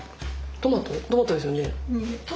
トマトですよ。